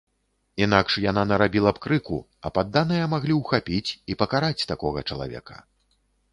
Інакш яна нарабіла б крыку, а падданыя маглі ухапіць і пакараць такога чалавека.